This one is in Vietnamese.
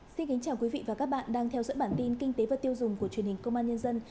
xin kính chào quý vị và các bạn đang theo dõi bản tin kinh tế và tiêu dùng của truyền hình công an nhân dân